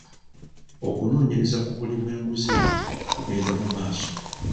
Okunoonyereza ku buli bw'enguzi kugenda mu maaso.